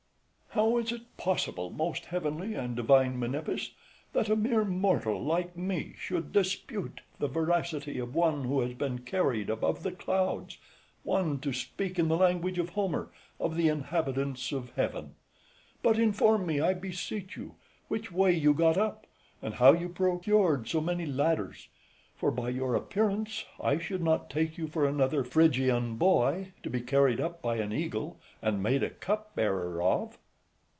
How is it possible, most heavenly and divine Menippus, that a mere mortal, like me, should dispute the veracity of one who has been carried above the clouds: one, to speak in the language of Homer, of the inhabitants of heaven? But inform me, I beseech you, which way you got up, and how you procured so many ladders; for, by your appearance, I should not take you for another Phrygian boy, to be carried up by an eagle, and made a cup bearer of.